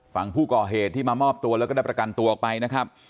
ฝั่งผู้ก่อเหตุที่มามอบตัวแล้วก็ได้ประกันตัวออกไปนะครับ